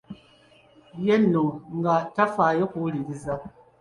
Ye nno nga tafaayo kuwuliriza